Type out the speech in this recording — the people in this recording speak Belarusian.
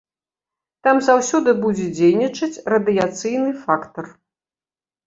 Там заўсёды будзе дзейнічаць радыяцыйны фактар.